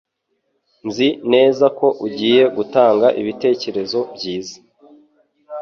Nzi neza ko ugiye gutanga ibitekerezo byiza.